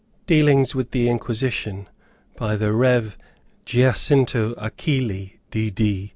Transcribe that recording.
Dealings with the Inquisition, by the Rev. Giacinto Achilli D. D.